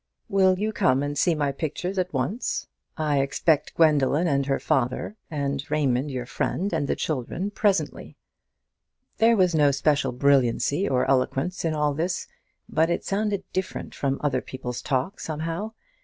"Will you come and see my pictures at once? I expect Gwendoline and her father, and your friend Mr. Raymond, and the children, presently." There was no special brilliancy or eloquence in all this, but it sounded different from other people's talk, somehow.